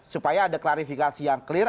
supaya ada klarifikasi yang clear